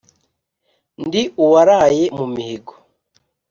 Ndi uwaraye mu mihigo